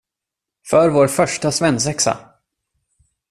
För vår första svensexa!